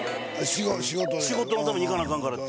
仕事のために行かなアカンから。